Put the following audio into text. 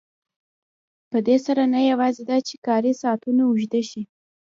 په دې سره نه یوازې دا چې کاري ساعتونه اوږده شي